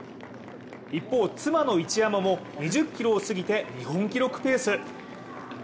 一方、妻の一山も２０ｋｍを過ぎて日本記録ペース。